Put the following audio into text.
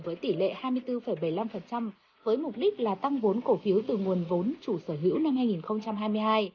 với tỷ lệ hai mươi bốn bảy mươi năm với mục đích là tăng vốn cổ phiếu từ nguồn vốn chủ sở hữu năm hai nghìn hai mươi hai